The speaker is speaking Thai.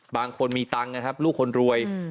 บางคนมีตังค์นะครับลูกคนรวย